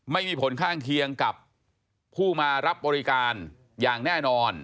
ไม่มีผลข้างเคียงกับผู้มารับบริการอย่างแน่นอน